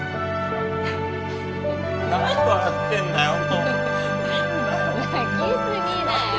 何笑ってんだよ